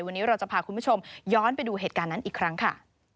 วันนี้เราจะพาคุณผู้ชมย้อนไปดูเหตุการณ์นั้นอีกครั้งค่ะ